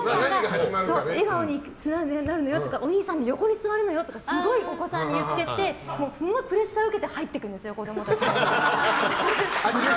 笑顔になるのよとかおにいさんの横に座るのよとかすごいお子さんに言っててすごいプレッシャー受けて入っていくんですよ、子供たち。